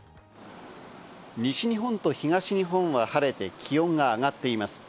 西日本と東日本は晴れて気温が上がっています。